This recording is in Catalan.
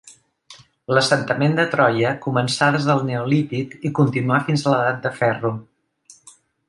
L'assentament de Troia començà des del neolític i continuà fins a l'edat de ferro.